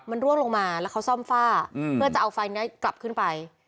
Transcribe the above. มันร่วงลงมาแล้วเขาซ่อมฝ้าเพื่อจะเอาไฟนี้กลับขึ้นไป